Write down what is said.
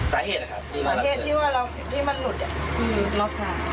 สาเหตุค่ะที่มันลุดที่มันลุดแหละ